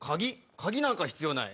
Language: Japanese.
鍵なんか必要ない。